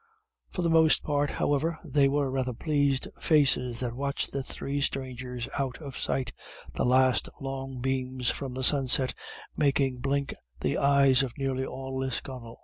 For the most part, however, they were rather pleased faces that watched the three strangers out of sight, the last long beams from the sunset making blink the eyes of nearly all Lisconnel.